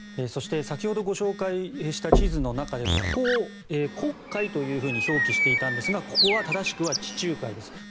そして先ほどご紹介した地図の中でここを黒海と表記していたんですがここは正しくは地中海です。